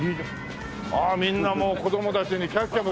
みんなもう子供たちにキャッキャと。